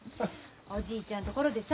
おじいちゃんところでさ